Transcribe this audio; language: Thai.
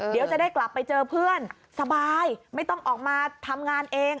เดี๋ยวจะได้กลับไปเจอเพื่อนสบายไม่ต้องออกมาทำงานเอง